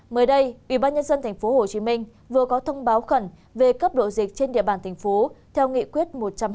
mới đây ủy ban nhân dân tp hcm vừa có thông báo khẩn về cấp độ dịch trên địa bàn tp hcm theo nghị quyết một trăm hai mươi tám